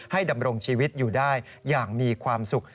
ดำรงชีวิตอยู่ได้อย่างมีความสุข